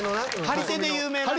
張り手で有名な。